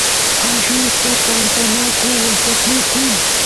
allusta tantanaku gustapukun